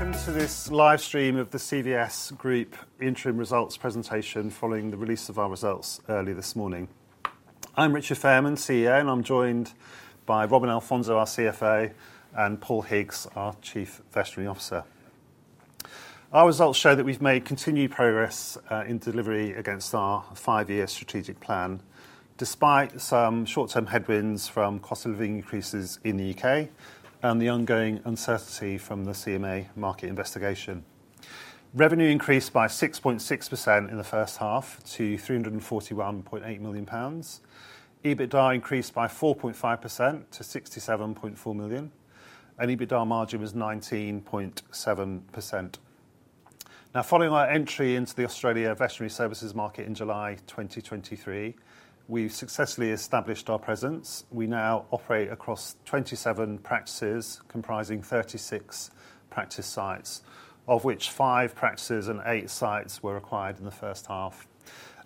Welcome to this livestream of the CVS Group interim results presentation following the release of our results early this morning. I'm Richard Fairman, CEO, and I'm joined by Robin Alfonso, our CFO, and Paul Higgs, our Chief Veterinary Officer. Our results show that we've made continued progress in delivery against our five-year strategic plan, despite some short-term headwinds from cost of living increases in the U.K. and the ongoing uncertainty from the CMA market investigation. Revenue increased by 6.6% in the first half to 341.8 million pounds. EBITDA increased by 4.5%-GBP 67.4 million, and EBITDA margin was 19.7%. Now, following our entry into the Australia veterinary services market in July 2023, we successfully established our presence. We now operate across 27 practices comprising 36 practice sites, of which five practices and eight sites were acquired in the first half.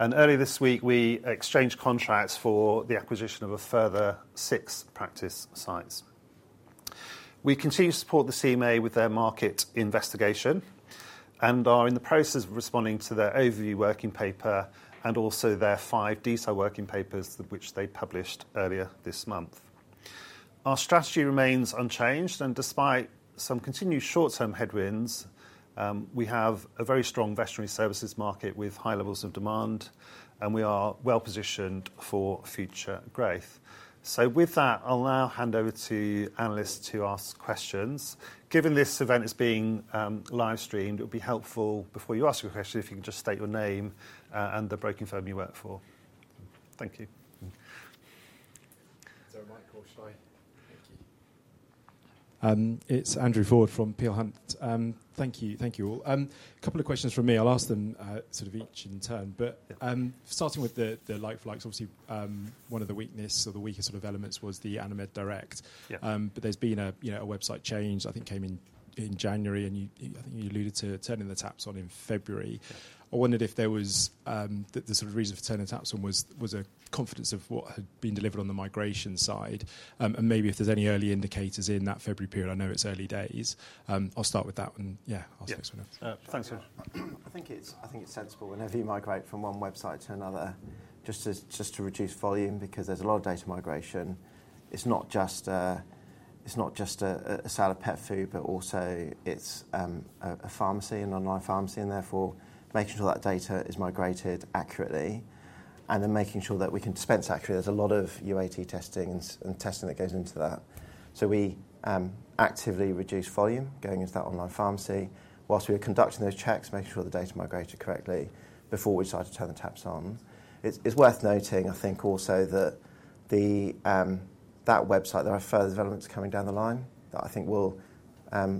Earlier this week, we exchanged contracts for the acquisition of a further six practice sites. We continue to support the CMA with their market investigation and are in the process of responding to their overview working paper and also their five detailed working papers that they published earlier this month. Our strategy remains unchanged, and despite some continued short-term headwinds, we have a very strong veterinary services market with high levels of demand, and we are well-positioned for future growth. With that, I'll now hand over to analysts to ask questions. Given this event is being livestreamed, it would be helpful before you ask your question if you can just state your name and the broking firm you work for. Thank you. It's Andrew Ford from Peel Hunt. Thank you. Thank you all. A couple of questions from me. I'll ask them sort of each in turn. But starting with the like-for-likes, obviously one of the weaknesses or the weaker sort of elements was the Animed Direct. But there's been a website change, I think came in January, and I think you alluded to turning the taps on in February. I wondered if there was the sort of reason for turning the taps on was a confidence of what had been delivered on the migration side, and maybe if there's any early indicators in that February period, I know it's early days. I'll start with that, and yeah, I'll take this one out. Thanks, all. So- I think it's sensible whenever you migrate from one website to another, just to reduce volume, because there's a lot of data migration. It's not just a sale of pet food, but also it's a pharmacy and online pharmacy, and therefore making sure that data is migrated accurately, and then making sure that we can dispense accurately. There's a lot of UAT testing and testing that goes into that. So we actively reduced volume going into that online pharmacy whilst we were conducting those checks, making sure the data migrated correctly before we started to turn the taps on. It's worth noting, I think, also that that website, there are further developments coming down the line that I think will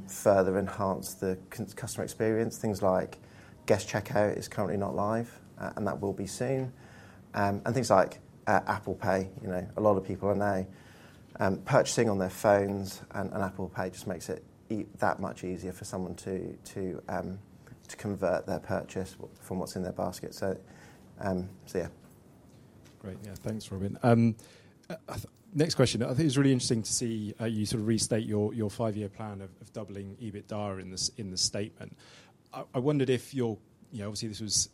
further enhance the customer experience. Things like guest checkout is currently not live, and that will be soon and things like Apple Pay, a lot of people are now purchasing on their phones, and Apple Pay just makes it that much easier for someone to convert their purchase from what's in their basket. So yeah. Great. Yeah. Thanks, Robin. Next question. I think it's really interesting to see you sort of restate your five-year plan of doubling EBITDA in the statement. I wondered if your, obviously this was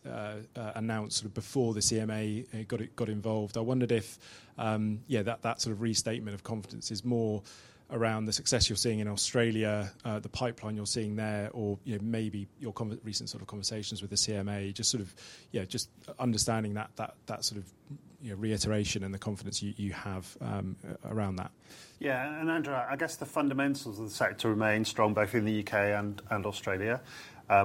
announced sort of before the CMA got involved. I wondered if, yeah, that sort of restatement of confidence is more around the success you're seeing in Australia, the pipeline you're seeing there, or maybe your recent sort of conversations with the CMA, just sort of, yeah, just understanding that sort of reiteration and the confidence you have around that. Yeah, and Andrew, I guess the fundamentals of the sector remain strong both in the U.K. and Australia,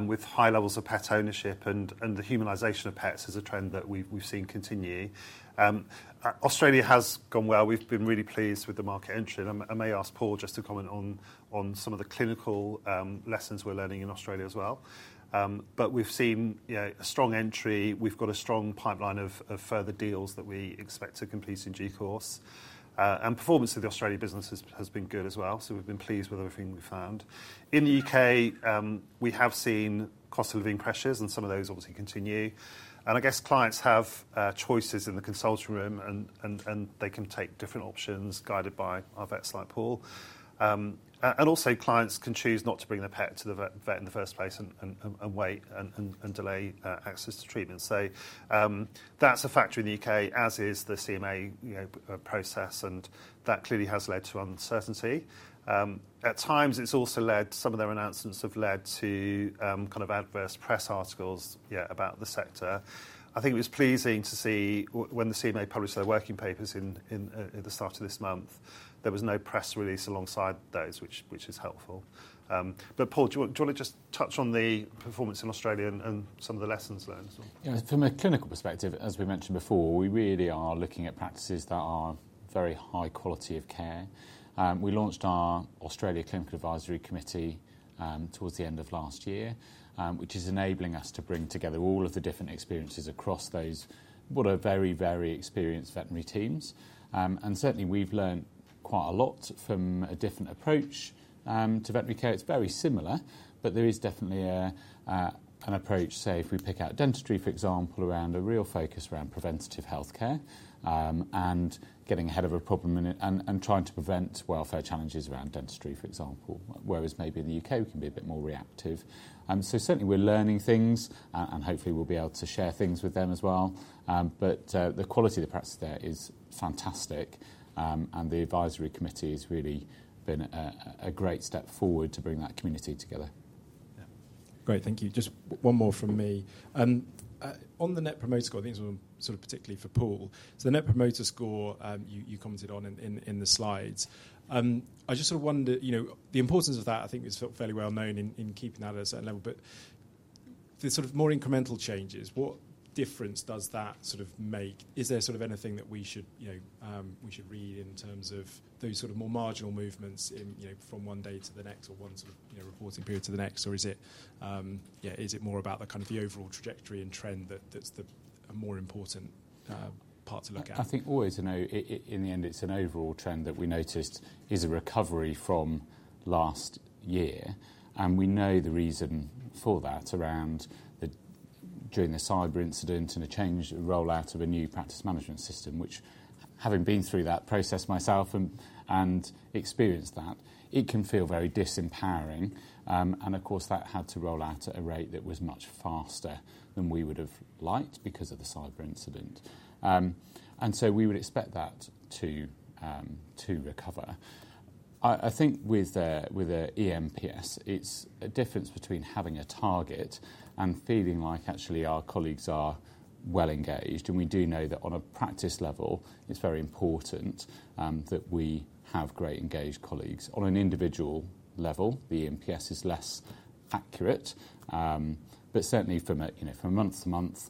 with high levels of pet ownership and the humanization of pets as a trend that we've seen continue. Australia has gone well. We've been really pleased with the market entry, and I may ask Paul just to comment on some of the clinical lessons we're learning in Australia as well, but we've seen a strong entry. We've got a strong pipeline of further deals that we expect to complete in due course, and performance of the Australian business has been good as well, so we've been pleased with everything we found. In the U.K., we have seen cost of living pressures, and some of those obviously continue, and I guess clients have choices in the consulting room, and they can take different options guided by our vets like Paul. Also clients can choose not to bring their pet to the vet in the first place and wait and delay access to treatment. That's a factor in the UK, as is the CMA process, and that clearly has led to uncertainty. At times, it's also led, some of their announcements have led to kind of adverse press articles about the sector. I think it was pleasing to see when the CMA published their working papers at the start of this month, there was no press release alongside those, which is helpful. Paul, do you want to just touch on the performance in Australia and some of the lessons learned? Yeah. From a clinical perspective, as we mentioned before, we really are looking at practices that are very high-quality of care. We launched our Australia Clinical Advisory Committee towards the end of last year, which is enabling us to bring together all of the different experiences across those very, very experienced veterinary teams, and certainly, we've learned quite a lot from a different approach to veterinary care. It's very similar, but there is definitely an approach, say, if we pick out dentistry, for example, around a real focus around preventative healthcare and getting ahead of a problem and trying to prevent welfare challenges around dentistry, for example, whereas maybe in the UK, we can be a bit more reactive, so certainly, we're learning things, and hopefully, we'll be able to share things with them as well. But the quality of the practice there is fantastic, and the advisory committee has really been a great step forward to bring that community together. Yeah. Great. Thank you. Just one more from me. On the Net Promoter Score, I think this one sort of particularly for Paul. So the Net Promoter Score you commented on in the slides. I just sort of wonder, the importance of that, I think is fairly well known in keeping that at a certain level, but the sort of more incremental changes, what difference does that sort of make? Is there sort of anything that we should read in terms of those sort of more marginal movements from one day to the next or one sort of reporting period to the next? Or is it more about the kind of the overall trajectory and trend that's the more important part to look at? I think always, in the end, it's an overall trend that we noticed is a recovery from last year and we know the reason for that around during the cyber incident and the change roll out of a new practice management system, which, having been through that process myself and experienced that, it can feel very disempowering. Of course, that had to roll out at a rate that was much faster than we would have liked because of the cyber incident. So we would expect that to recover. I think with the eNPS, it's a difference between having a target and feeling like actually our colleagues are well engaged. We do know that on a practice level, it's very important that we have great engaged colleagues. On an individual level, the eNPS is less accurate. But certainly, from month to month,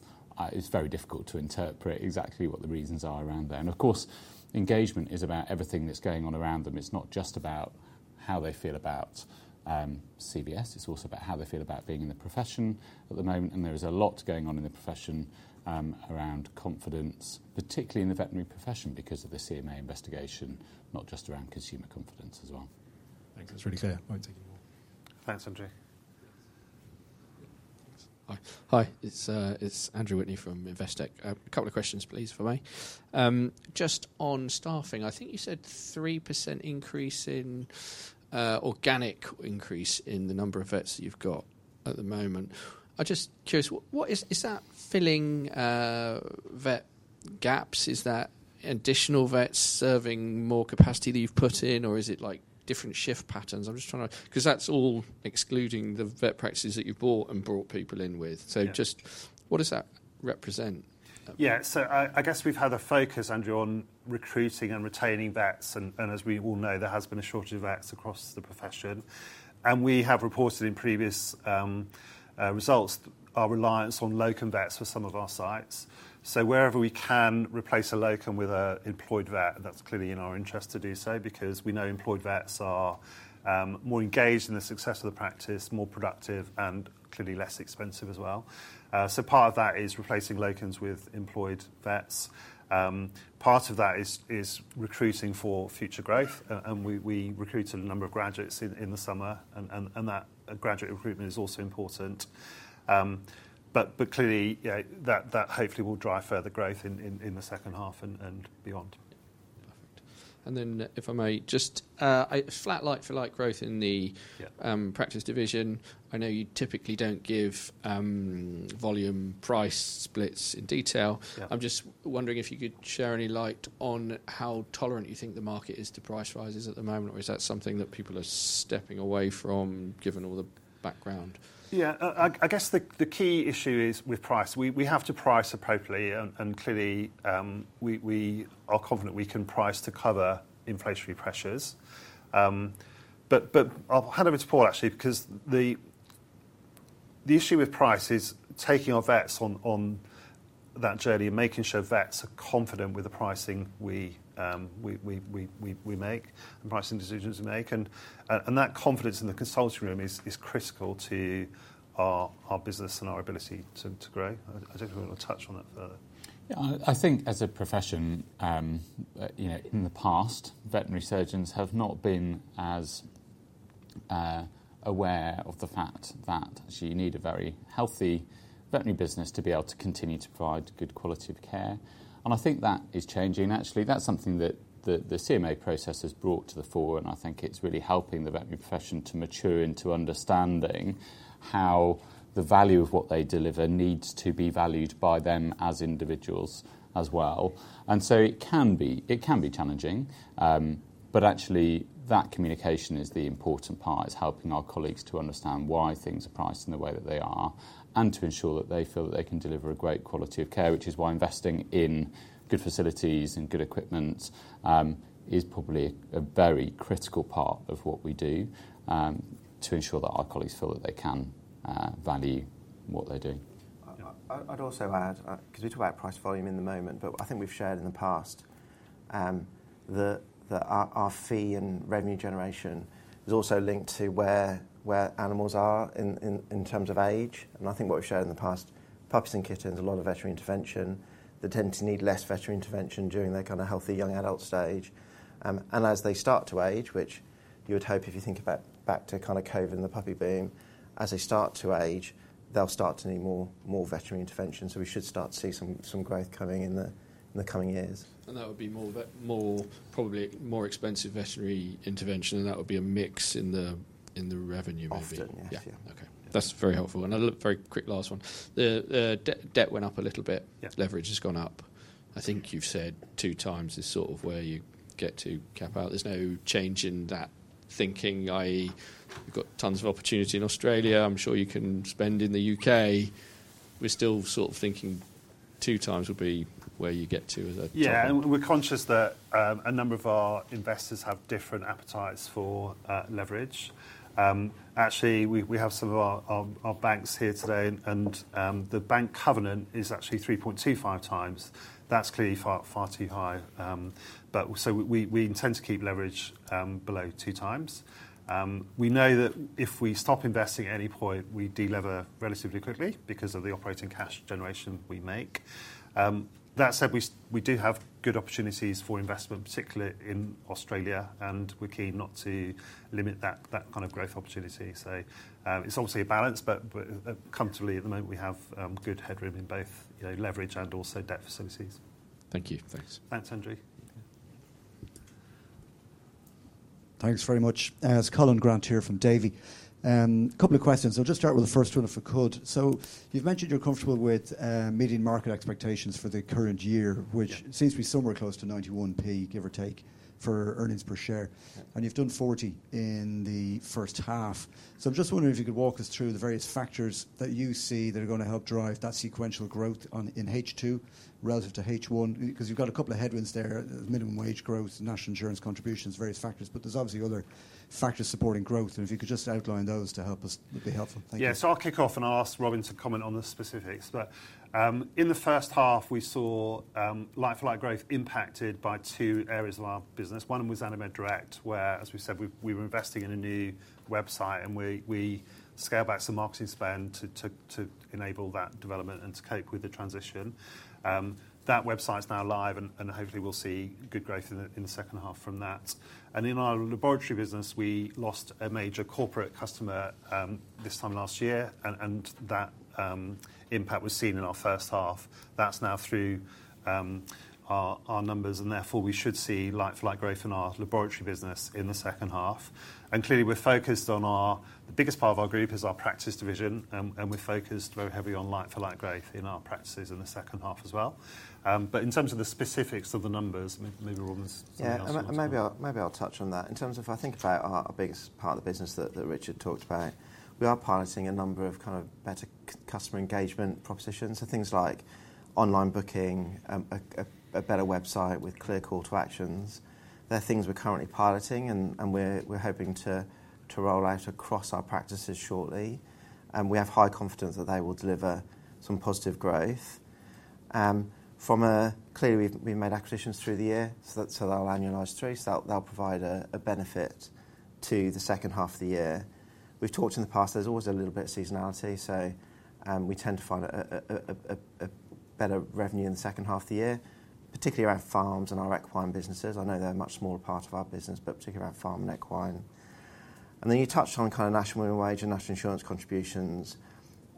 it's very difficult to interpret exactly what the reasons are around there. Of course, engagement is about everything that's going on around them. It's not just about how they feel about CVS. It's also about how they feel about being in the profession at the moment. There is a lot going on in the profession around confidence, particularly in the veterinary profession because of the CMA investigation, not just around consumer confidence as well. Thanks. That's really clear. I won't take any more. Thanks, Andrew. Hi. It's Andrew Whitney from Investec. A couple of questions, please, for me. Just on staffing, I think you said 3% increase in organic increase in the number of vets that you've got at the moment. I'm just curious, is that filling vet gaps? Is that additional vets serving more capacity that you've got in, or is it different shift patterns? I'm just trying to, because that's all excluding the vet practices that you've bought and brought people in with. So just what does that represent? Yeah. So I guess we've had a focus, Andrew, on recruiting and retaining vets, and as we all know, there has been a shortage of vets across the profession and we have reported in previous results our reliance on locum vets for some of our sites. So wherever we can replace a locum with an employed vet, that's clearly in our interest to do so because we know employed vets are more engaged in the success of the practice, more productive, and clearly less expensive as well. So part of that is replacing locums with employed vets. Part of that is recruiting for future growth and we recruited a number of graduates in the summer, and that graduate recruitment is also important. But clearly, that hopefully will drive further growth in the second half and beyond. Then, if I may, just flat like-for-like growth in the practice division. I know you typically don't give volume price splits in detail. I'm just wondering if you could shed any light on how tolerant you think the market is to price rises at the moment, or is that something that people are stepping away from given all the background? Yeah. I guess the key issue is with price. We have to price appropriately, and clearly, we are confident we can price to cover inflationary pressures. But I'll hand over to Paul, actually, because the issue with price is taking our vets on that journey and making sure vets are confident with the pricing we make and pricing decisions we make. That confidence in the consulting room is critical to our business and our ability to grow. I don't know if we want to touch on that further. Yeah. I think as a profession, in the past, veterinary surgeons have not been as aware of the fact that you need a very healthy veterinary business to be able to continue to provide good quality of care. I think that is changing, actually. That's something that the CMA process has brought to the fore, and I think it's really helping the veterinary profession to mature into understanding how the value of what they deliver needs to be valued by them as individuals as well. It can be challenging, but actually, that communication is the important part, is helping our colleagues to understand why things are priced in the way that they are and to ensure that they feel that they can deliver a great quality of care, which is why investing in good facilities and good equipment is probably a very critical part of what we do to ensure that our colleagues feel that they can value what they're doing. I'd also add, because we talk about price volume in the moment, but I think we've shared in the past that our fee and revenue generation is also linked to where animals are in terms of age. I think what we've shared in the past, puppies and kittens, a lot of veterinary intervention. They tend to need less veterinary intervention during their kind of healthy young adult stage. As they start to age, which you would hope if you think back to kind of COVID and the puppy boom, as they start to age, they'll start to need more veterinary intervention. So we should start to see some growth coming in the coming years. That would be probably more expensive veterinary intervention, and that would be a mix in the revenue. Often, yeah. Yeah. Okay. That's very helpful. Another very quick last one. The debt went up a little bit. Leverage has gone up. I think you've said 2x is sort of where you get to cap out. There's no change in that thinking, i.e., we've got tons of opportunity in Australia. I'm sure you can spend in the U.K.. We're still sort of thinking two times would be where you get to as a... Yeah, and we're conscious that a number of our investors have different appetites for leverage. Actually, we have some of our banks here today, and the bank covenant is actually 3.25x. That's clearly far too high, but so we intend to keep leverage below 2x. We know that if we stop investing at any point, we delever relatively quickly because of the operating cash generation we make. That said, we do have good opportunities for investment, particularly in Australia, and we're keen not to limit that kind of growth opportunity, so it's obviously a balance, but comfortably, at the moment, we have good headroom in both leverage and also debt facilities. Thank you. Thanks. Thanks, Andrew. Thanks very much. It's Colin Grant here from Davy, a couple of questions. I'll just start with the first one, if I could. So you've mentioned you're comfortable with meeting market expectations for the current year, which seems to be somewhere close to 0.91, give or take, for earnings per share and you've done 0.40 in the first half. So I'm just wondering if you could walk us through the various factors that you see that are going to help drive that sequential growth in H2 relative to H1, because you've got a couple of headwinds there, minimum wage growth, national insurance contributions, various factors, but there's obviously other factors supporting growth, and if you could just outline those to help us, it'd be helpful. Yeah. So I'll kick off and ask Robin to comment on the specifics. But in the first half, we saw like-for-like growth impacted by two areas of our business. One was Animed Direct, where, as we said, we were investing in a new website, and we scaled back some marketing spend to enable that development and to cope with the transition. That website is now live, and hopefully, we'll see good growth in the second half from that. In our laboratory business, we lost a major corporate customer this time last year, and that impact was seen in our first half. That's now through our numbers, and therefore, we should see like-for-like growth in our laboratory business in the second half. Clearly, we're focused on our biggest part of our group is our practice division, and we're focused very heavily on like-for-like growth in our practices in the second half as well. But in terms of the specifics of the numbers, maybe Robin has something else to say. Maybe I'll touch on that. In terms of, if I think about our biggest part of the business that Richard talked about, we are piloting a number of kind of better customer engagement propositions, so things like online booking, a better website with clear call to actions. They're things we're currently piloting, and we're hoping to roll out across our practices shortly, and we have high confidence that they will deliver some positive growth. Clearly, we've made acquisitions through the year, so they'll annualize through, so they'll provide a benefit to the second half of the year. We've talked in the past, there's always a little bit of seasonality, so we tend to find a better revenue in the second half of the year, particularly around farms and our equine businesses. I know they're a much smaller part of our business, but particularly around farm and equine. Then you touched on kind of national minimum wage and national insurance contributions.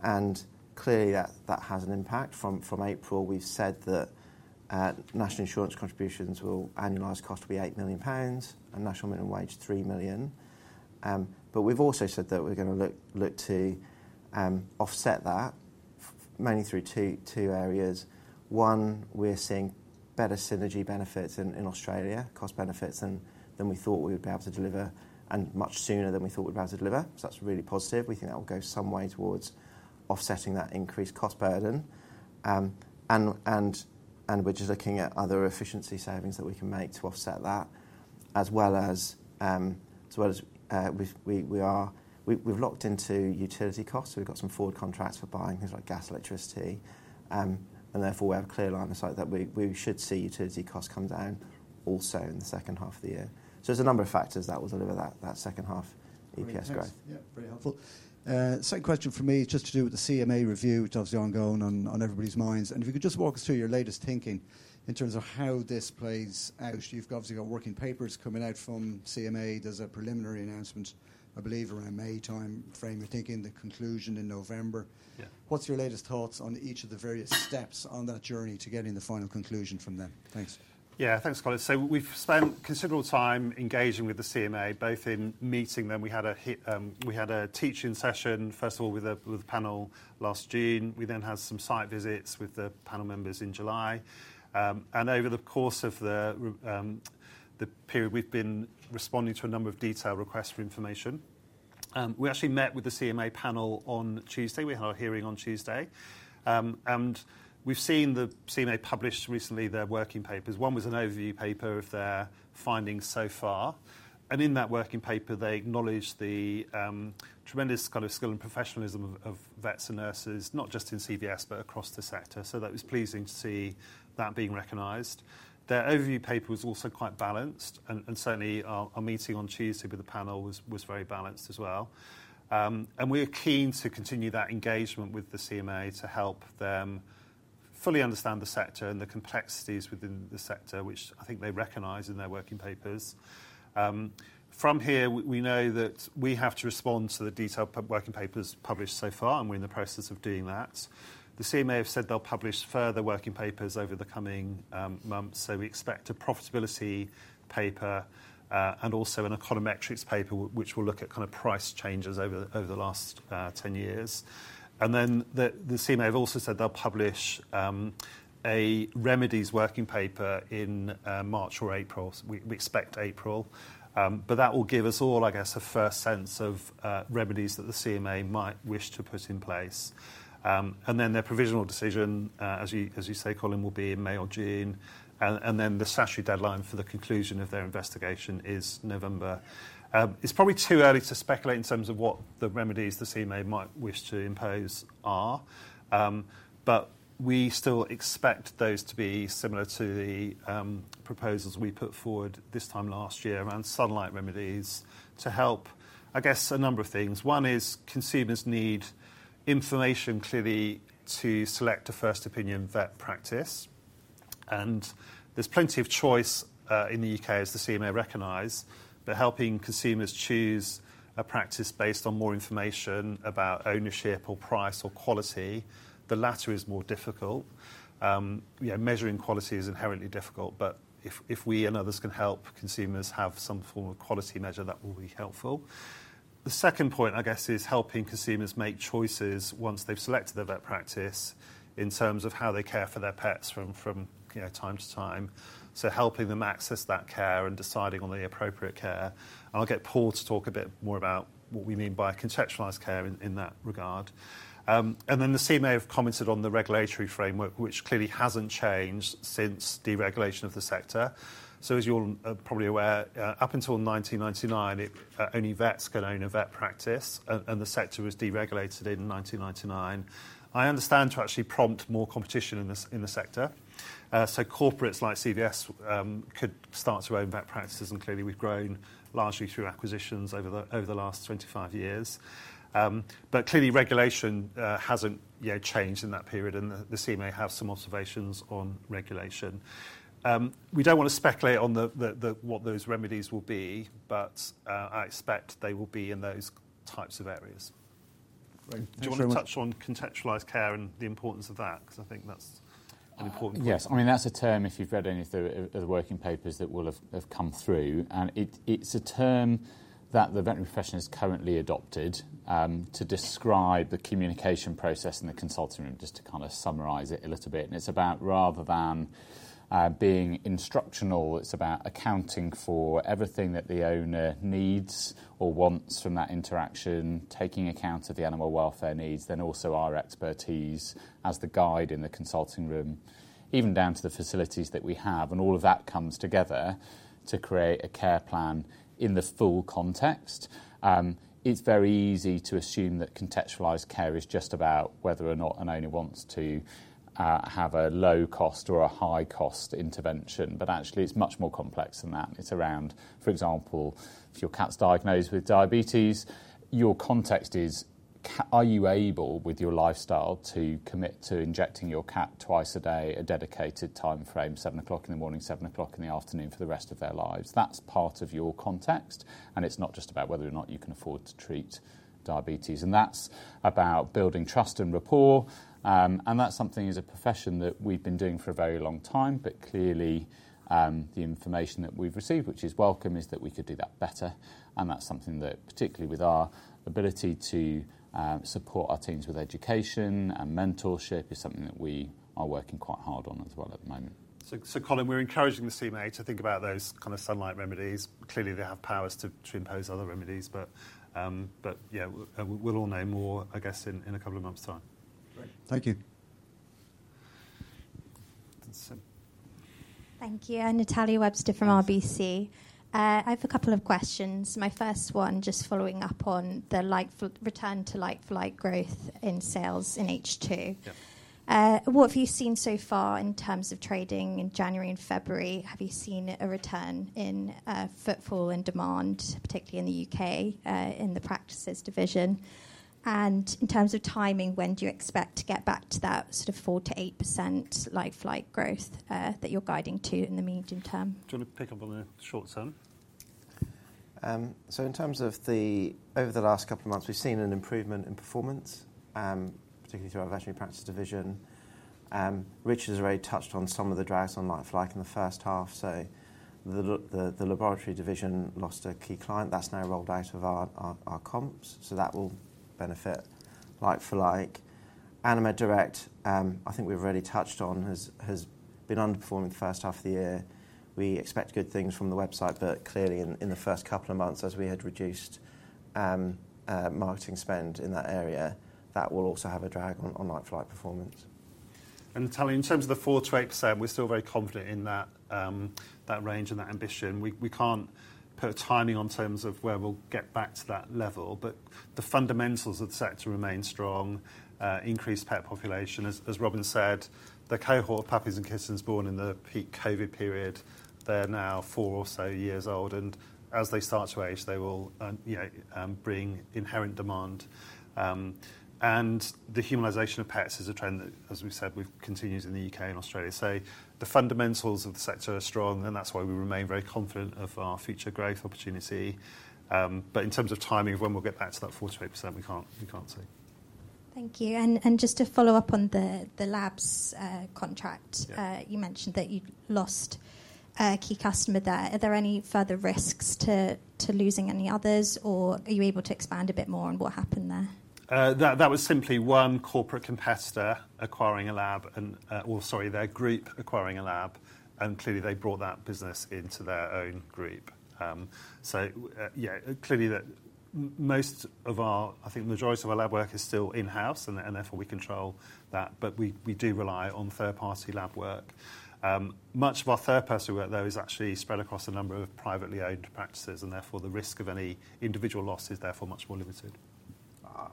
Clearly, that has an impact. From April, we've said that national insurance contributions will annualize cost to be 8 million pounds and national minimum wage 3 million. But we've also said that we're going to look to offset that mainly through two areas. One, we're seeing better synergy benefits in Australia, cost benefits than we thought we would be able to deliver and much sooner than we thought we'd be able to deliver. So that's really positive. We think that will go some way towards offsetting that increased cost burden, and we're just looking at other efficiency savings that we can make to offset that, as well as we've locked into utility costs. So we've got some forward contracts for buying things like gas, electricity. Therefore, we have a clear line of sight that we should see utility costs come down also in the second half of the year. So there's a number of factors that will deliver that second half EPS growth. Yeah. Very helpful. Second question for me is just to do with the CMA review, which obviously is ongoing on everybody's minds, and if you could just walk us through your latest thinking in terms of how this plays out. You've obviously got working papers coming out from CMA. There's a preliminary announcement, I believe, around May timeframe. You're thinking the conclusion in November. What's your latest thoughts on each of the various steps on that journey to getting the final conclusion from them? Thanks. Yeah. Thanks, Colin. So we've spent considerable time engaging with the CMA, both in meeting them. We had a teaching session, first of all, with a panel last June. We then had some site visits with the panel members in July, and over the course of the period, we've been responding to a number of detailed requests for information. We actually met with the CMA panel on Tuesday. We had our hearing on Tuesday, and we've seen the CMA publish recently their working papers. One was an overview paper of their findings so far. In that working paper, they acknowledged the tremendous kind of skill and professionalism of vets and nurses, not just in CVS, but across the sector. So that was pleasing to see that being recognized. Their overview paper was also quite balance, and certainly, our meeting on Tuesday with the panel was very balanced as well. We're keen to continue that engagement with the CMA to help them fully understand the sector and the complexities within the sector, which I think they recognize in their working papers. From here, we know that we have to respond to the detailed working papers published so far, and we're in the process of doing that. The CMA have said they'll publish further working papers over the coming months. So we expect a profitability paper and also an econometrics paper, which will look at kind of price changes over the last 10 years. Then the CMA have also said they'll publish a remedies working paper in March or April. We expect April. But that will give us all, I guess, a first sense of remedies that the CMA might wish to put in place. Then their provisional decision, as you say, Colin, will be in May or June. Then the statutory deadline for the conclusion of their investigation is November. It's probably too early to speculate in terms of what the remedies the CMA might wish to impose are. But we still expect those to be similar to the proposals we put forward this time last year around sunlight remedies to help, I guess, a number of things. One is consumers need information clearly to select a first opinion vet practice, and there's plenty of choice in the U.K., as the CMA recognized, but helping consumers choose a practice based on more information about ownership or price or quality, the latter is more difficult. Measuring quality is inherently difficult, but if we and others can help consumers have some form of quality measure, that will be helpful. The second point, I guess, is helping consumers make choices once they've selected their vet practice in terms of how they care for their pets from time to time, so helping them access that care and deciding on the appropriate care. I'll get Paul to talk a bit more about what we mean by contextualized care in that regard, and then the CMA have commented on the regulatory framework, which clearly hasn't changed since deregulation of the sector, so as you're probably aware, up until 1999, only vets could own a vet practice, and the sector was deregulated in 1999. I understand, to actually prompt more competition in the sector, so corporates like CVS could start to own vet practices, and clearly, we've grown largely through acquisitions over the last 25 years, but clearly, regulation hasn't changed in that period, and the CMA has some observations on regulation. We don't want to speculate on what those remedies will be, but I expect they will be in those types of areas. Do you want to touch on contextualized care and the importance of that? Because I think that's an important thing. Yes. I mean, that's a term if you've read any of the working papers that will have come through. It's a term that the veterinary profession has currently adopted to describe the communication process in the consulting room, just to kind of summarize it a little bit, and it's about rather than being instructional, it's about accounting for everything that the owner needs or wants from that interaction, taking account of the animal welfare needs. Then also our expertise as the guide in the consulting room, even down to the facilities that we have. All of that comes together to create a care plan in the full context. It's very easy to assume that contextualized care is just about whether or not an owner wants to have a low-cost or a high-cost intervention. But actually, it's much more complex than that. It's around, for example, if your cat's diagnosed with diabetes, your context is, are you able with your lifestyle to commit to injecting your cat twice a day, a dedicated timeframe, 7:00 A.M., 7:00 P.M. for the rest of their lives? That's part of your context, and it's not just about whether or not you can afford to treat diabetes. That's about building trust and rapport and that's something as a profession that we've been doing for a very long time. But clearly, the information that we've received, which is welcome, is that we could do that better, and that's something that, particularly with our ability to support our teams with education and mentorship, is something that we are working quite hard on as well at the moment. So Colin, we're encouraging the CMA to think about those kind of sunlight remedies. Clearly, they have powers to impose other remedies. But yeah, we'll all know more, I guess, in a couple of months' time. Thank you. Thank you. Natalia Webster from RBC. I have a couple of questions. My first one, just following up on the return to like-for-like growth in sales in H2. What have you seen so far in terms of trading in January and February? Have you seen a return in footfall and demand, particularly in the U.K., in the practices division? In terms of timing, when do you expect to get back to that sort of 4%-8% like-for-like growth that you're guiding to in the medium term? Do you want to pick up on the short term? In terms of over the last couple of months, we've seen an improvement in performance, particularly through our veterinary practice division. Richard has already touched on some of the drags on like-for-like in the first half. The laboratory division lost a key client that's now rolled out of our comps. That will benefit like-for-like. Animed Direct, I think we've already touched on, has been underperforming the first half of the year. We expect good things from the website, but clearly, in the first couple of months, as we had reduced marketing spend in that area, that will also have a drag on like-for-like performance. Natalia, in terms of the 4%-8%, we're still very confident in that range and that ambition. We can't put a timing on terms of where we'll get back to that level. But the fundamentals of the sector remain strong. Increased pet population, as Robin said, the cohort of puppies and kittens born in the peak COVID period, they're now four or so years old. As they start to age, they will bring inherent demand, and the humanization of pets is a trend that, as we've said, we've continued in the U.K. and Australia. So the fundamentals of the sector are strong, and that's why we remain very confident of our future growth opportunity. But in terms of timing of when we'll get back to that 4%-8%, we can't see. Thank you. Just to follow up on the labs contract, you mentioned that you lost a key customer there. Are there any further risks to losing any others, or are you able to expand a bit more on what happened there? That was simply one corporate competitor acquiring a lab, or sorry, their group acquiring a lab, and clearly, they brought that business into their own group. So yeah, clearly, most of our, I think the majority of our lab work is still in-house, and therefore we control that. But we do rely on third-party lab work. Much of our third-party work, though, is actually spread across a number of privately owned practices, and therefore the risk of any individual loss is therefore much more limited.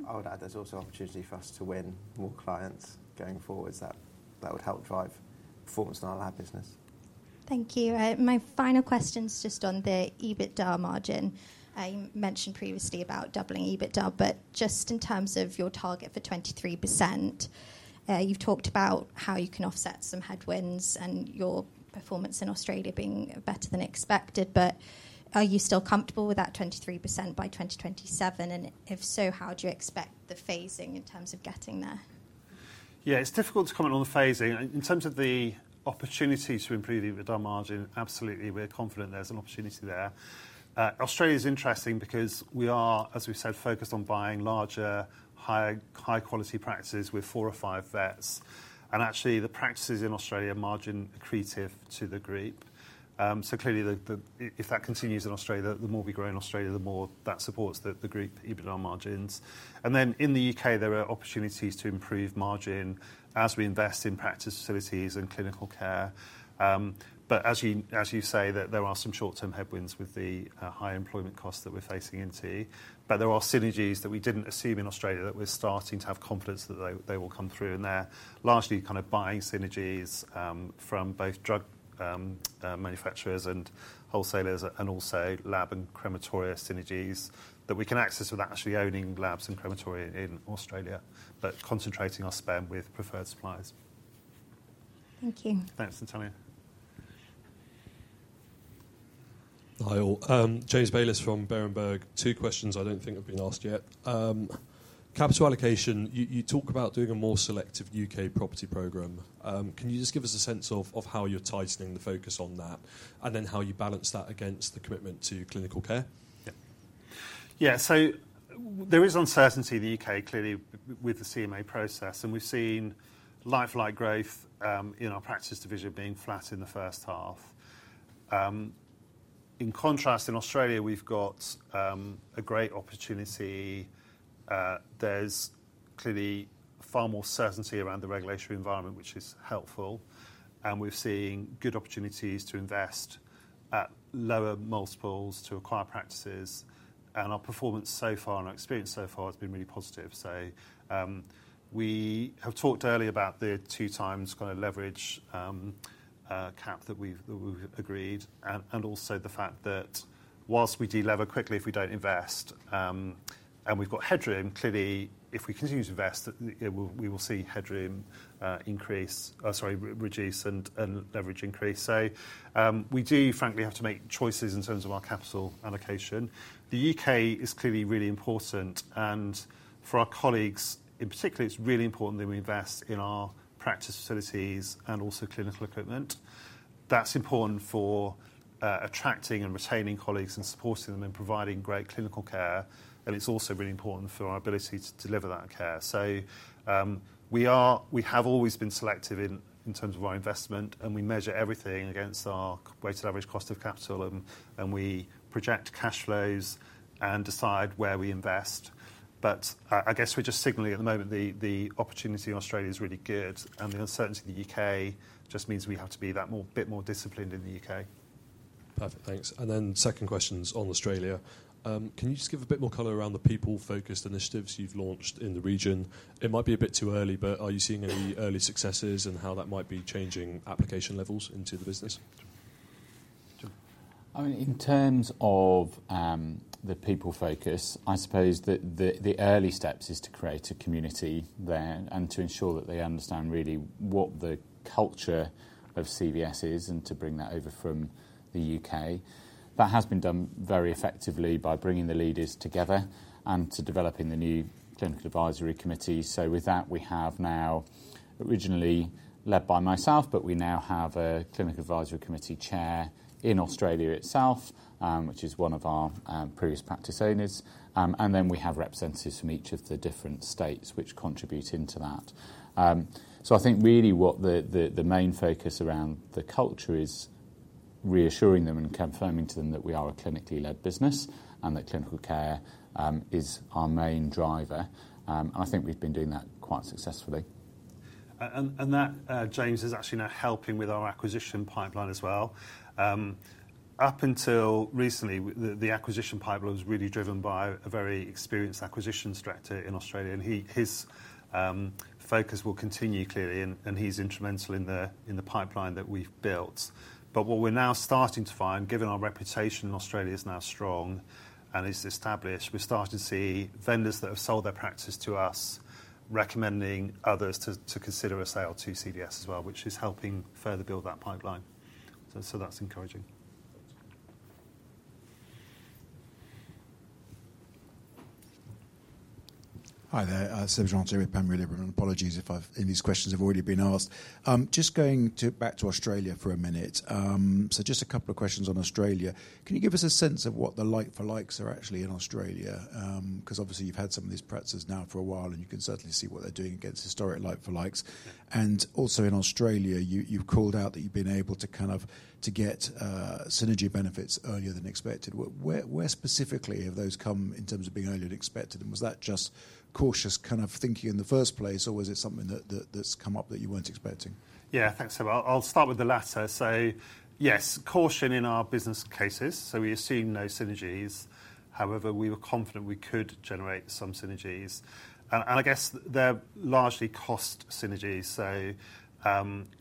I would add there's also an opportunity for us to win more clients going forward that would help drive performance in our lab business. Thank you. My final question is just on the EBITDA margin. You mentioned previously about doubling EBITDA, but just in terms of your target for 23%, you've talked about how you can offset some headwinds and your performance in Australia being better than expected. But are you still comfortable with that 23% by 2027? If so, how do you expect the phasing in terms of getting there? Yeah, it's difficult to comment on the phasing. In terms of the opportunities to improve the EBITDA margin, absolutely, we're confident there's an opportunity there. Australia is interesting because we are, as we said, focused on buying larger, high-quality practices with four or five vets. Actually, the practices in Australia margin accretive to the group. So clearly, if that continues in Australia, the more we grow in Australia, the more that supports the group EBITDA margins. Then in the U.K., there are opportunities to improve margin as we invest in practice facilities and clinical care. But as you say, there are some short-term headwinds with the high employment costs that we're facing into. But there are synergies that we didn't assume in Australia that we're starting to have confidence that they will come through. They're largely kind of buying synergies from both drug manufacturers and wholesalers and also lab and crematoria synergies that we can access without actually owning labs and crematoria in Australia, but concentrating our spend with preferred suppliers. Thank you. Thanks, Natalia. Hi, all. James Bayliss from Berenberg. Two questions I don't think have been asked yet. Capital allocation, you talk about doing a more selective U.K. property program. Can you just give us a sense of how you're tightening the focus on that and then how you balance that against the commitment to clinical care? Yeah. Yeah, so there is uncertainty in the UK, clearly, with the CMA process, and we've seen like-for-like growth in our practice division being flat in the first half. In contrast, in Australia, we've got a great opportunity. There's clearly far more certainty around the regulatory environment, which is helpful. We're seeing good opportunities to invest at lower multiples to acquire practices. Our performance so far, and our experience so far, has been really positive. So we have talked earlier about the 2x kind of leverage cap that we've agreed and also the fact that while we delever quickly if we don't invest, and we've got headroom, clearly, if we continue to invest, we will see headroom increase, sorry, reduce and leverage increase. So we do, frankly, have to make choices in terms of our capital allocation. The UK is clearly really important. For our colleagues, in particular, it's really important that we invest in our practice facilities and also clinical equipment. That's important for attracting and retaining colleagues and supporting them in providing great clinical care, and it's also really important for our ability to deliver that care. So we have always been selective in terms of our investment, and we measure everything against our weighted average cost of capital, and we project cash flows and decide where we invest. But I guess we're just signaling at the moment the opportunity in Australia is really good, and the uncertainty in the U.K. just means we have to be that bit more disciplined in the U.K. Perfect, thanks. Then, second question on Australia. Can you just give a bit more color around the people-focused initiatives you've launched in the region? It might be a bit too early, but are you seeing any early successes and how that might be changing application levels into the business? I mean, in terms of the people-focus, I suppose that the early steps is to create a community there and to ensure that they understand really what the culture of CVS is and to bring that over from the U.K. That has been done very effectively by bringing the leaders together and to developing the new clinical advisory committee. So with that, we have now, originally led by myself, but we now have a clinical advisory committee chair in Australia itself, which is one of our previous practice owners. Then we have representatives from each of the different states, which contribute into that. So I think really what the main focus around the culture is reassuring them and confirming to them that we are a clinically-led business and that clinical care is our main driver. I think we've been doing that quite successfully. That, James, is actually now helping with our acquisition pipeline as well. Up until recently, the acquisition pipeline was really driven by a very experienced acquisition director in Australia. His focus will continue, clearly, and he's instrumental in the pipeline that we've built. What we're now starting to find, given our reputation in Australia is now strong and is established, we're starting to see vendors that have sold their practice to us recommending others to consider a sale to CVS as well, which is helping further build that pipeline. That's encouraging. Hi there. Seb Jantet here, Panmure Liberum. Apologies if any of these questions have already been asked. Just going back to Australia for a minute. So just a couple of questions on Australia. Can you give us a sense of what the like-for-likes are actually in Australia? Because obviously, you've had some of these practices now for a while, and you can certainly see what they're doing against historic like-for-likes. Also in Australia, you've called out that you've been able to kind of get synergy benefits earlier than expected. Where specifically have those come in terms of being earlier than expected? Was that just cautious kind of thinking in the first place, or was it something that's come up that you weren't expecting? Yeah, thanks. So I'll start with the latter. So yes, caution in our business cases. So we assume no synergies. However, we were confident we could generate some synergies. I guess they're largely cost synergies. So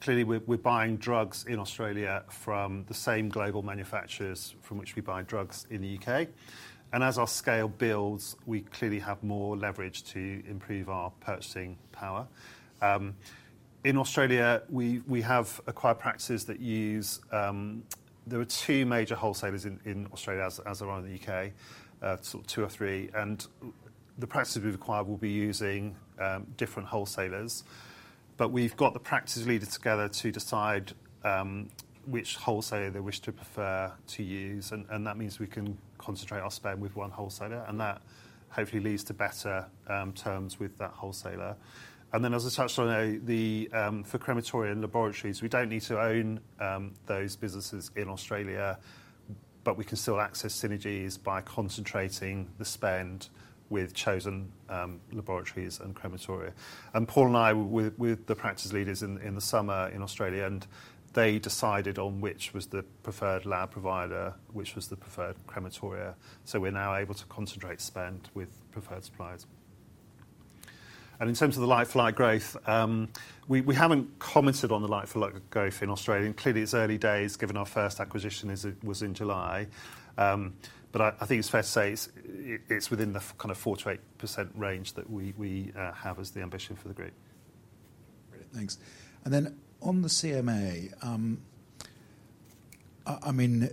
clearly, we're buying drugs in Australia from the same global manufacturers from which we buy drugs in the UK. As our scale builds, we clearly have more leverage to improve our purchasing power. In Australia, we have acquired practices that use. There are two major wholesalers in Australia as there are in the U.K., sort of two or three, and the practices we've acquired will be using different wholesalers. But we've got the practices leaders together to decide which wholesaler they wish to prefer to use and that means we can concentrate our spend with one wholesaler and that hopefully leads to better terms with that wholesaler. Then, as I touched on, for crematoria and laboratories, we don't need to own those businesses in Australia, but we can still access synergies by concentrating the spend with chosen laboratories and crematoria. Paul and I, with the practice leaders in the summer in Australia, and they decided on which was the preferred lab provider, which was the preferred crematoria. So we're now able to concentrate spend with preferred suppliers. In terms of the like-for-like growth, we haven't commented on the like-for-like growth in Australia. It's early days, given our first acquisition was in July. But I think it's fair to say it's within the kind of 4%-8% range that we have as the ambition for the group. Brilliant, thanks. Then on the CMA, I mean,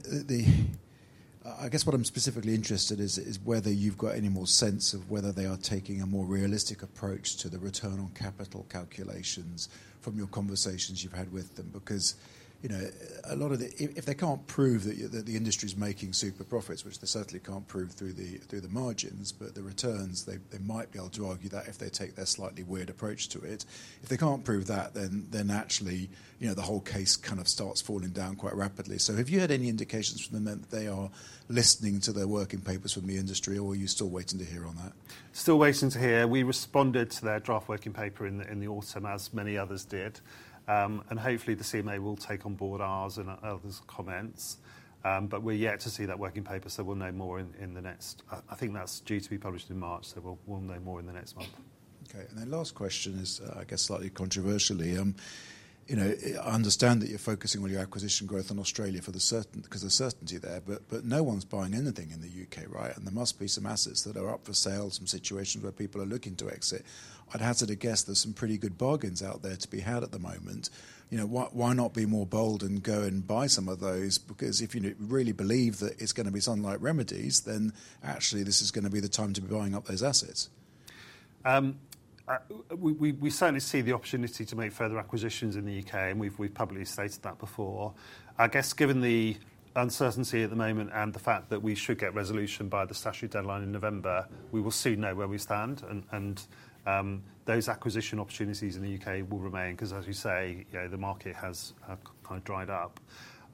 I guess what I'm specifically interested in is whether you've got any more sense of whether they are taking a more realistic approach to the return on capital calculations from your conversations you've had with them because a lot of the, if they can't prove that the industry is making super profits, which they certainly can't prove through the margins, but the returns, they might be able to argue that if they take their slightly weird approach to it. If they can't prove that, then actually the whole case kind of starts falling down quite rapidly. So have you had any indications from them that they are listening to their working papers from the industry, or are you still waiting to hear on that? Still waiting to hear. We responded to their draft working paper in the autumn, as many others did, and hopefully, the CMA will take on board ours and others' comments, but we're yet to see that working paper, so we'll know more in the next. I think that's due to be published in March, so we'll know more in the next month. Okay. Then last question is, I guess, slightly controversially. I understand that you're focusing on your acquisition growth in Australia because there's certainty there, but no one's buying anything in the U.K., right? There must be some assets that are up for sale from situations where people are looking to exit. I'd have to guess there's some pretty good bargains out there to be had at the moment. Why not be more bold and go and buy some of those? Because if you really believe that it's going to be something like remedies, then actually this is going to be the time to be buying up those assets. We certainly see the opportunity to make further acquisitions in the U.K., and we've publicly stated that before. I guess given the uncertainty at the moment and the fact that we should get resolution by the statute deadline in November, we will soon know where we stand, and those acquisition opportunities in the U.K. will remain because, as you say, the market has kind of dried up.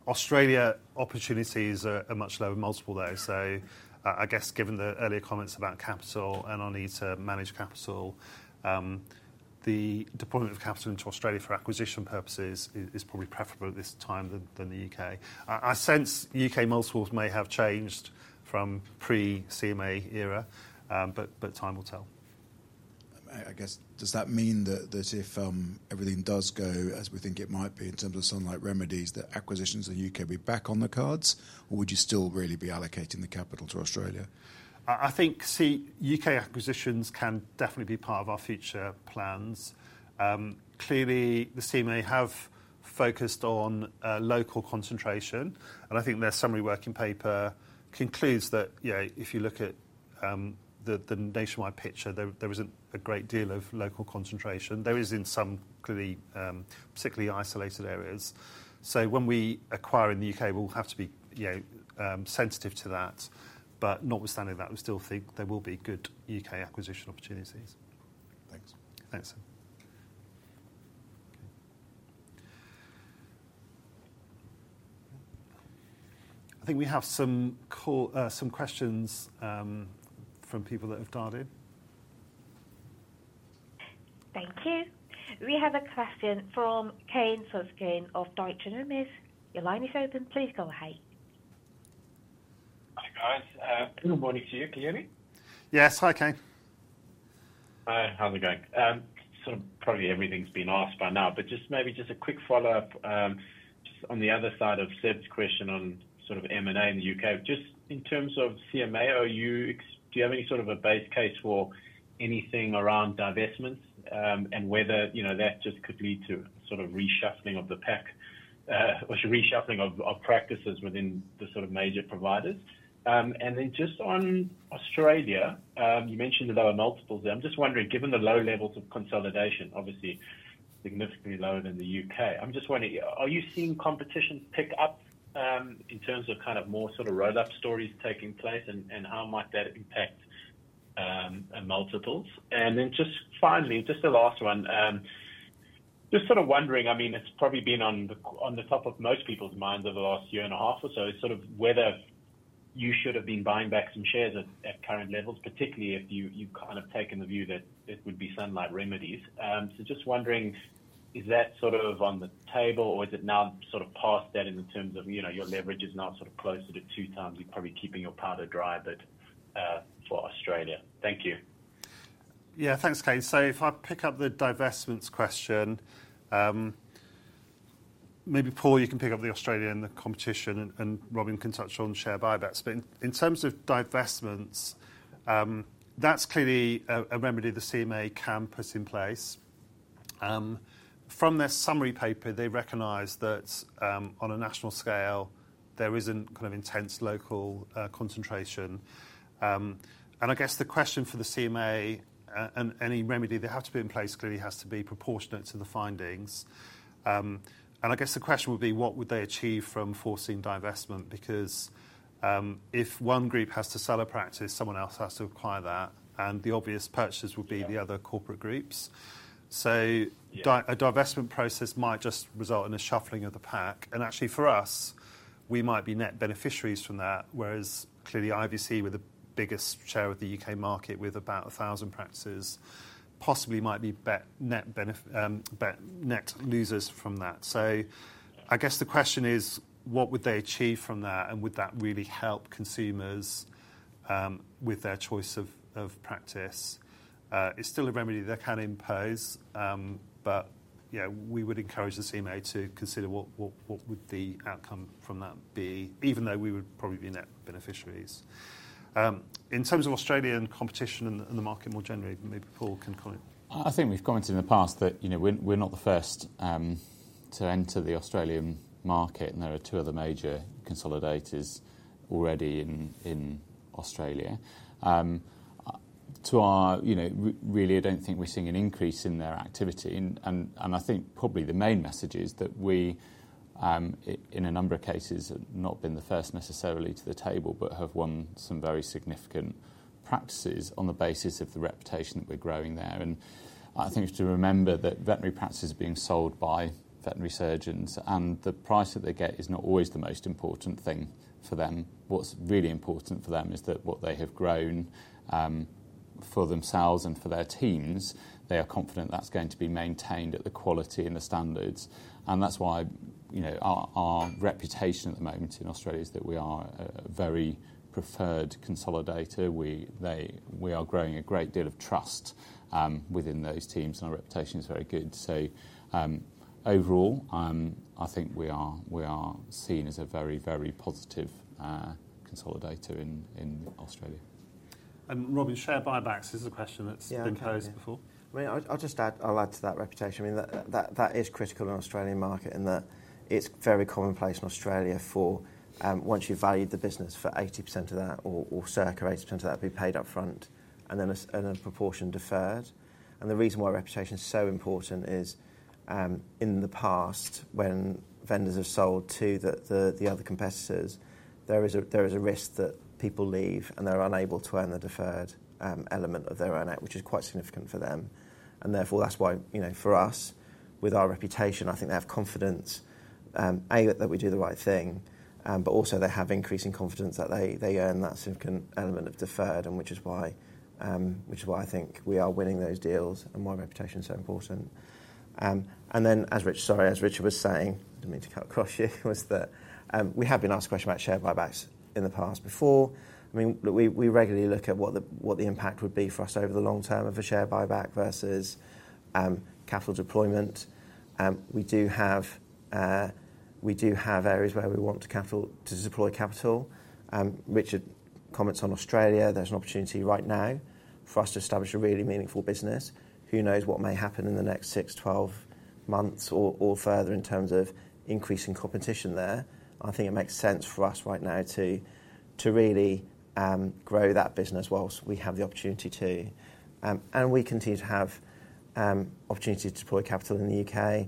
Australia opportunities are a much lower multiple there, so I guess given the earlier comments about capital and on need to manage capital, the deployment of capital into Australia for acquisition purposes is probably preferable at this time than the U.K. I sense U.K. multiples may have changed from pre-CMA era, but time will tell. I guess, does that mean that if everything does go as we think it might be in terms of something like remedies, that acquisitions in the U.K. will be back on the cards, or would you still really be allocating the capital to Australia? I think, see, UK acquisitions can definitely be part of our future plans. Clearly, the CMA have focused on local concentration. I think their summary working paper concludes that if you look at the nationwide picture, there isn't a great deal of local concentration. There is in some clearly, particularly isolated areas. So when we acquire in the U.K., we'll have to be sensitive to that. But notwithstanding that, we still think there will be good U.K. acquisition opportunities. Thanks. Thanks. I think we have some questions from people that have dialed in. Thank you. We have a question from Kane Slutzkin of Deutsche Numis. Your line is open. Please go ahead. Hi, guys. Good morning to you. Can you hear me? Yes. Hi, Kane. Hi. How's it going? Sort of probably everything's been asked by now, but just maybe just a quick follow-up on the other side of Seb's question on sort of M&A in the U.K.. Just in terms of CMA, do you have any sort of a base case for anything around divestment and whether that just could lead to a sort of reshuffling of the pack or reshuffling of practices within the sort of major providers? Then just on Australia, you mentioned there were multiples. I'm just wondering, given the low levels of consolidation, obviously significantly lower than the U.K., I'm just wondering, are you seeing competition pick up in terms of kind of more sort of roll-up stories taking place and how might that impact multiples? Then just finally, just the last one, just sort of wondering, I mean, it's probably been on the top of most people's minds over the last year and a half or so, sort of whether you should have been buying back some shares at current levels, particularly if you kind of take in the view that it would be something like remedies. So just wondering, is that sort of on the table, or is it now sort of past that in the terms of your leverage is now sort of closer to 2x you're probably keeping your powder dry for Australia? Thank you. Yeah, thanks, Kane. So if I pick up the divestments question, maybe Paul, you can pick up the Australian competition and Robin can touch on share buybacks. But in terms of divestments, that's clearly a remedy the CMA can put in place. From their summary paper, they recognize that on a national scale, there isn't kind of intense local concentration. I guess the question for the CMA and any remedy that has to be in place clearly has to be proportionate to the findings. I guess the question would be, what would they achieve from forcing divestment because if one group has to sell a practice, someone else has to acquire that, and the obvious purchases would be the other corporate groups. So a divestment process might just result in a shuffling of the pack. Actually, for us, we might be net beneficiaries from that, whereas clearly IVC, with the biggest share of the U.K. market with about 1,000 practices, possibly might be net losers from that. So I guess the question is, what would they achieve from that, and would that really help consumers with their choice of practice? It's still a remedy they can impose, but we would encourage the CMA to consider what would the outcome from that be, even though we would probably be net beneficiaries. In terms of Australian competition and the market more generally, maybe Paul can comment. I think we've commented in the past that we're not the first to enter the Australian market, and there are two other major consolidators already in Australia. To our knowledge, really, I don't think we're seeing an increase in their activity, and I think probably the main message is that we, in a number of cases, have not been the first necessarily to the table, but have won some very significant practices on the basis of the reputation that we're growing there. I think to remember that veterinary practices are being sold by veterinary surgeons, and the price that they get is not always the most important thing for them. What's really important for them is that what they have grown for themselves and for their teams, they are confident that's going to be maintained at the quality and the standards. That's why our reputation at the moment in Australia is that we are a very preferred consolidator. We are growing a great deal of trust within those teams, and our reputation is very good. Overall, I think we are seen as a very, very positive consolidator in Australia. Robin, share buybacks is a question that's been posed before. I'll just add to that reputation. I mean, that is critical in the Australian market in that it's very commonplace in Australia for once you've valued the business for 80% of that or circa 80% of that, it'd be paid upfront and then a proportion deferred. The reason why reputation is so important is in the past, when vendors have sold to the other competitors, there is a risk that people leave and they're unable to earn the deferred element of their earn-out, which is quite significant for them. Therefore, that's why for us, with our reputation, I think they have confidence, A, that we do the right thing, but also they have increasing confidence that they earn that significant element of deferred, which is why I think we are winning those deals and why reputation is so important. Then, sorry, as Richard was saying, I don't mean to cut across you. It was that we have been asked questions about share buybacks in the past before. I mean, we regularly look at what the impact would be for us over the long term of a share buyback versus capital deployment. We do have areas where we want to deploy capital. Richard comments on Australia. There's an opportunity right now for us to establish a really meaningful business. Who knows what may happen in the next six, 12 months or further in terms of increasing competition there? I think it makes sense for us right now to really grow that business whilst we have the opportunity to. We continue to have opportunity to deploy capital in the U.K.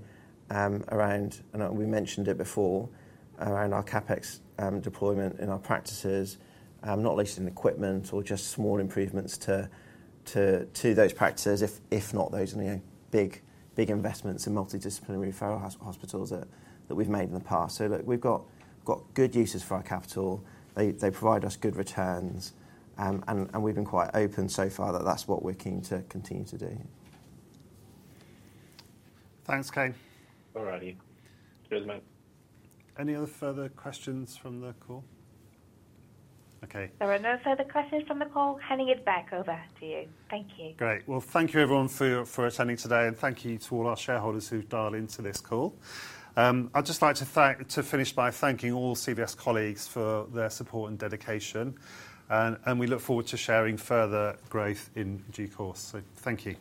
around, and we mentioned it before, around our CapEx deployment in our practices, not least in equipment or just small improvements to those practices, if not those big investments in multidisciplinary referral hospitals that we've made in the past. Look, we've got good uses for our capital. They provide us good returns, and we've been quite open so far that that's what we're keen to continue to do. Thanks, Kean. All righty. Any other further questions from the call? Okay. There are no further questions from the call. Handing it's back over to you. Thank you. Great. Well, thank you everyone for attending today, and thank you to all our shareholders who've dialed into this call. I'd just like to finish by thanking all CVS colleagues for their support and dedication, and we look forward to sharing further growth in due course. So thank you.